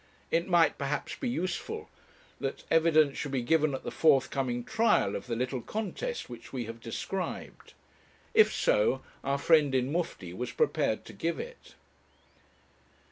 It might, perhaps, be useful that evidence should be given at the forthcoming trial of the little contest which we have described. If so, our friend in mufti was prepared to give it.